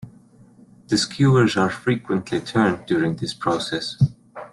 The skewers are frequently turned during this process.